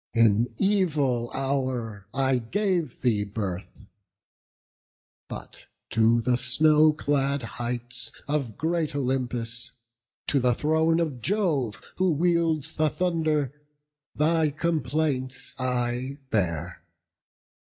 in evil hour I gave thee birth! But to the snow clad heights Of great Olympus, to the throne of Jove, Who wields the thunder, thy complaints I bear.